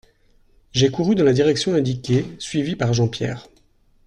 J’ai couru dans la direction indiquée, suivi par Jean-Pierre.